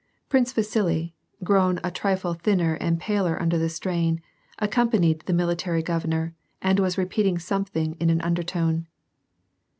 Prince Vasili, grown a trifle thinner and paler under the strain, accompanied the military governor, and was repeating something in an undertone.